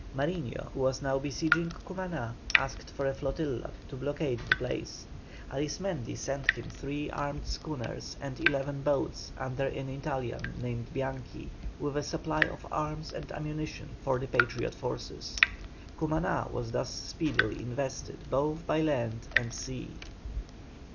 Mariño, who was now besieging Cumaná, asked for a flotilla to blockade the place. Arismendi sent him three armed schooners and eleven boats under an Italian named Bianchi, with a supply of arms and ammunition for the Patriot forces. Cumaná was thus speedily invested both by land and sea.